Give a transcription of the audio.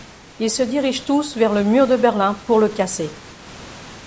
Ils se dirigent tous vers le Mur de Berlin pour le casser.